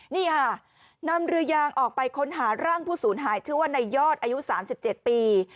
นี่ค่ะนำเรือยางออกไปค้นหาร่างผู้สูญหายชื่อว่าในยอดอายุ๓๗ปี